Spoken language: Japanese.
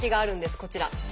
こちら。